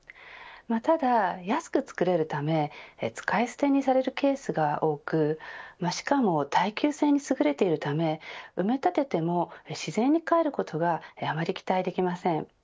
ただ、安く作れるため使い捨てにされるケースが多くしかも耐久性にすぐれているため埋め立てても自然にかえることがあんまり期待できません。